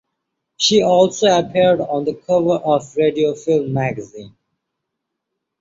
She also appeared on the cover of "Radio Film" magazine.